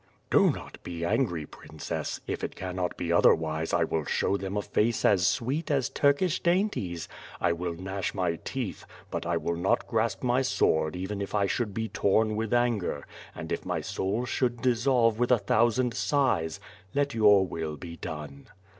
"Do not be angry, princess; if it cannot be otherwise, I will show them a face as sweet as Turkish dainties. I will gnash my teeth, but I will not grasp my sword even if I should be torn with anger, and if my soul should dissolve with a thousand sighs, let your will be done."